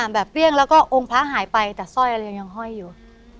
แบบเปลี่ยงแล้วก็องค์พระหายไปแต่สอยเรียงใดยังห้อยอยู่